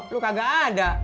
lu kagak ada